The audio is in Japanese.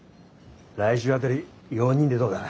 来週辺り４人でどうだ？